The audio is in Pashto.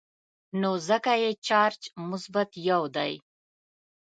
نو ځکه یې چارج مثبت یو دی.